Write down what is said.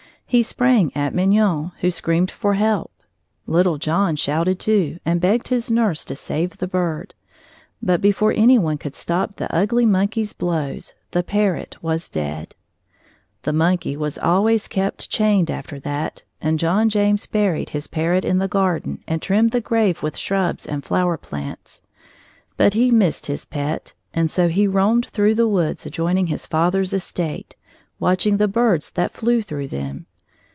He sprang at Mignonne, who screamed for help. Little John James shouted too, and begged his nurse to save the bird, but before any one could stop the ugly monkey's blows, the parrot was dead. The monkey was always kept chained after that, and John James buried his parrot in the garden and trimmed the grave with shrubs and flowering plants. But he missed his pet and so roamed through the woods adjoining his father's estate, watching the birds that flew through them.